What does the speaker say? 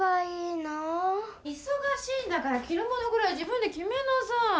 いそがしいんだからきるものぐらい自分できめなさい。